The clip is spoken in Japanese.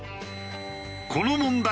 この問題